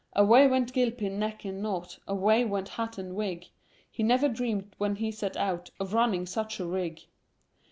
"Away went Gilpin, neck or nought; Away went hat and wig; He never dreamt when he set out, Of running such a rig."